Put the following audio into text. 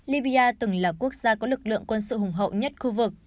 libya từng là quốc gia có lực lượng quân sự hùng hậu nhất khu vực